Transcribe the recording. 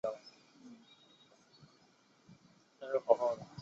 巴斯夏在这个例子上也证明了他巧妙的归谬法技巧。